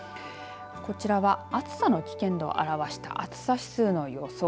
こちらは暑さの危険度を表した暑さ指数の予想。